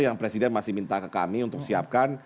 yang presiden masih minta ke kami untuk siapkan